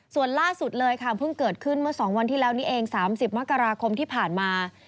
ส่วนล่าสุดเลยค่ะเพิ่งเกิดขึ้นเมื่อ๒วันที่แล้วนี้เอง๓๐มกราคมที่ผ่านมา